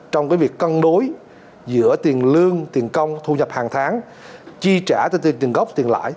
trong cái việc cân đối giữa tiền lương tiền công thu nhập hàng tháng chi trả cho tiền gốc tiền lãi